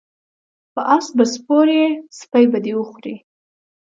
په اس به سپور یی سپی به دی وخوري